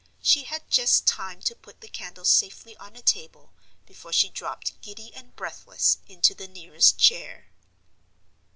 She had just time to put the candle safely on a table before she dropped giddy and breathless into the nearest chair.